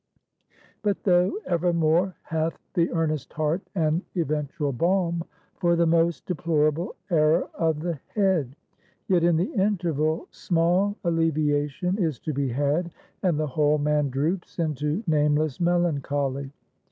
But though evermore hath the earnest heart an eventual balm for the most deplorable error of the head; yet in the interval small alleviation is to be had, and the whole man droops into nameless melancholy.